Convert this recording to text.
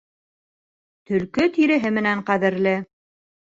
Төлкө тиреһе менән ҡәҙерле.